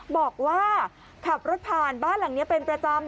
บอกว่าขับรถผ่านบ้านหลังนี้เป็นประจำ